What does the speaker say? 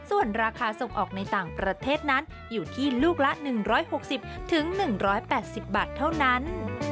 ส่วนราคาส่งออกในต่างประเทศนั้นอยู่ที่ลูกละ๑๖๐๑๘๐บาทเท่านั้น